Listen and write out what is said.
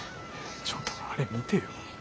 ちょっとあれ見てよ。